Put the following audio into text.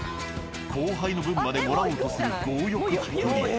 後輩の分までもらおうとする強欲っぷり。